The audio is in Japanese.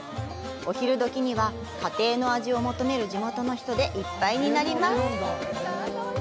お昼時には、家庭の味を求める地元の人でいっぱいになります。